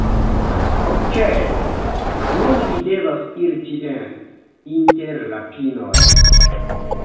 Okej, nun, mi devas iri tien, inter la pinoj.